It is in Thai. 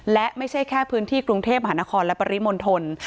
และไม่ใช่แค่พื้นที่กรุงเทพมหานครและปริมณฑล